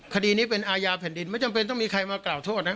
คดีนี้เป็นอาญาแผ่นดินไม่จำเป็นต้องมีใครมากล่าวโทษนะ